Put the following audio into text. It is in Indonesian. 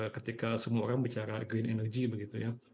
ketika semua orang bicara green energy